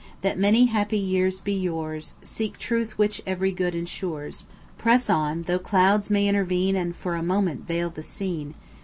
That many happy years be yours: Seek truth which every good insures; Press on, though clouds may intervene And for a moment veil the scene.